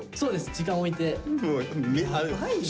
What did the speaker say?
時間おいて。